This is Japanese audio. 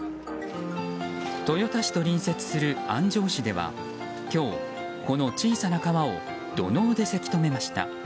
豊田市と隣接する安城市では今日、この小さな川を土のうでせき止めました。